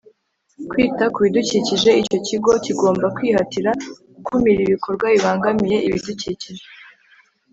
kwita ku bidukikije Icyo Kigo kigomba kwihatira gukumira ibikorwa bibangamiye ibidukikije